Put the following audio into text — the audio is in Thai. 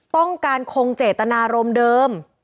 ต้องการคงเจตนารมณ์เดิม